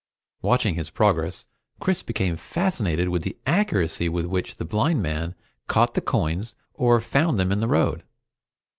Watching his progress, Chris became fascinated with the accuracy with which the blind man caught the coins or found them in the road.